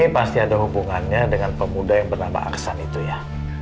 pasti ada hubungannya dengan pemuda yang bernama aksan itu ya